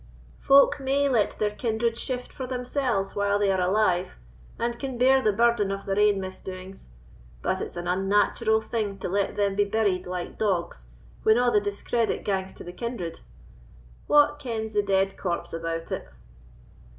Folk may let their kindred shift for themsells when they are alive, and can bear the burden of their ain misdoings; but it's an unnatural thing to let them be buried like dogs, when a' the discredit gangs to the kindred. What kens the dead corpse about it?"